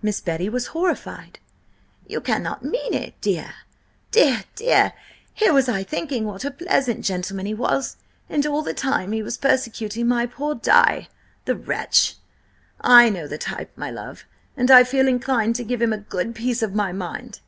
Miss Betty was horrified. "You cannot mean it! Dear, dear, dear! Here was I thinking what a pleasant gentleman he was, and all the time he was persecuting my poor Di, the wretch! I know the type, my love, and I feel inclined to give him a good piece of my mind!"